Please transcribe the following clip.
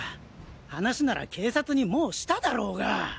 話なら警察にもうしただろうが。